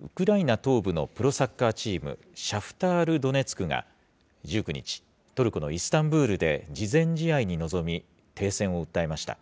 ウクライナ東部のプロサッカーチーム、シャフタール・ドネツクが１９日、トルコのイスタンブールで慈善試合に臨み、停戦を訴えました。